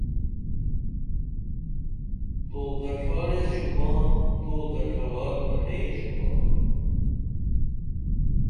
تو دڇھال ایس شُباں تو دڇھوال بہ لئیں شُباں